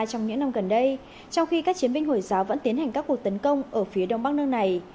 trong những năm gần đây trong khi các chiến binh hồi giáo vẫn tiến hành các cuộc tấn công ở phía đông bắc nước này